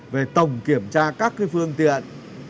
về tổng kiểm tra các cái phương tiện